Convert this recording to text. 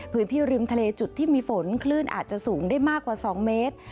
พื้นที่ริมทะเลจุดที่มีฝนคลื่นอาจจะสูงได้มากกว่า๒เมตร